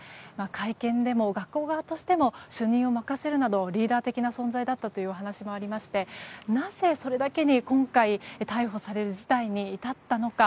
会見でも学校側としても主任を任せるなどのリーダー的な存在だったという話もありましてなぜ、それだけに今回、逮捕される事態に至ったのか